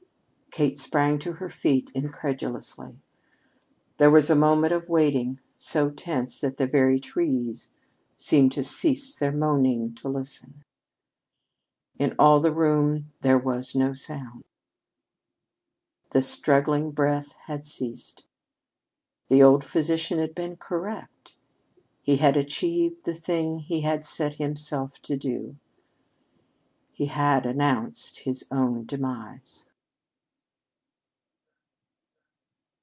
Kate sprang to her feet incredulously. There was a moment of waiting so tense that the very trees seemed to cease their moaning to listen. In all the room there was no sound. The struggling breath had ceased. The old physician had been correct he had achieved the thing he had set himself to do. He had announced his own demise.